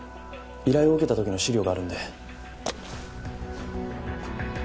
依頼を受けた時の資料があるので。